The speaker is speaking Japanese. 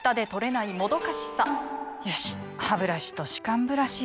よしハブラシと歯間ブラシでと。